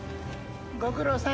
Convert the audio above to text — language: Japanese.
ご苦労さん。